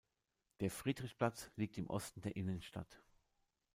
Der Friedrichsplatz liegt im Osten der Innenstadt.